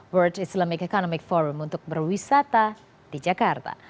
world islamic economic forum untuk berwisata di jakarta